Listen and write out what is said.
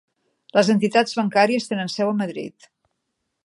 Les entitats bancàries tenen seu a Madrid.